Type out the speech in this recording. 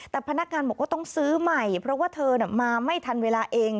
แต่พนักงานบอกว่าต้องซื้อใหม่เพราะว่าเธอมาไม่ทันเวลาเอง